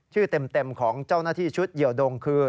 ชื่อเต็มของเจ้าหน้าที่ชุดเหี่ยวดงคือ